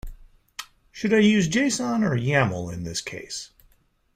Should I use json or yaml in this case?